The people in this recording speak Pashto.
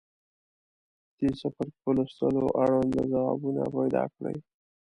د دې څپرکي په لوستلو اړونده ځوابونه پیداکړئ.